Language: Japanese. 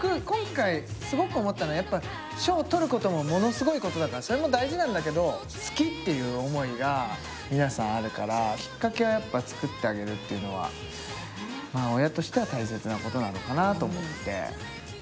今回すごく思ったのはやっぱ賞をとることもものすごいことだからそれも大事なんだけど好きっていう思いが皆さんあるからきっかけはやっぱ作ってあげるっていうのは親としては大切なことなのかなと思って。